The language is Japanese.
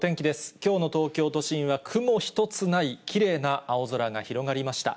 きょうの東京都心は雲一つないきれいな青空が広がりました。